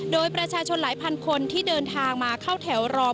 โดยประชาชนหลายพันคนที่เดินทางมาเข้าแถวรอ